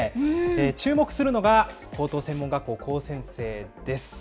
注目するのが、高等専門学校、高専生です。